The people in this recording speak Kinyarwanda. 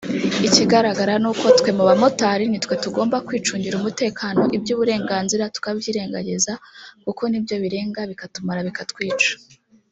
ikigaragara nuko twe mu bamotari nitwe tugomba kwicungira umutekano iby’uburenganzira tukabyirengagiza kuko nibyo birenga bikatumara bikatwica”